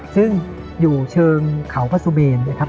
ซึ่งอยู่เชิงเขาพระสุเมนนะครับ